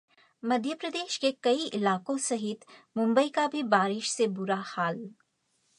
मध्यप्रदेश के कई इलाकों सहित मुंबई का भी बारिश से बुरा हाल